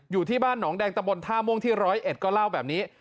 อยู่ที่บ้านหนองแดงตะบนท่าม่วงที่๑๐๑ก็เล่าแบบนี้